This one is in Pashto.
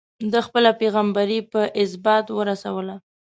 ده خپله پيغمبري په ازبات ورسوله.